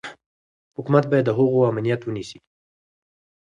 حکومت باید د هغوی امنیت ونیسي.